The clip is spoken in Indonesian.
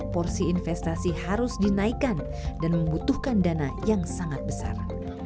porsi investasi harus dinaikkan dan membutuhkan dana yang sangat besar